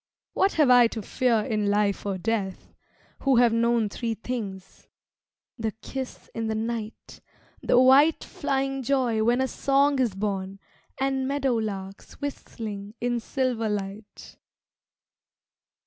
What have I to fear in life or death Who have known three things: the kiss in the night, The white flying joy when a song is born, And meadowlarks whistling in silver light.